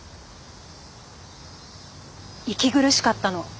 息苦しかったの。